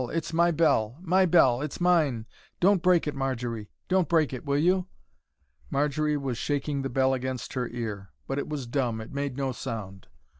It's my bell. My bell! It's mine! Don't break it, Marjory. Don't break it, will you?" Marjory was shaking the bell against her ear. But it was dumb, it made no sound.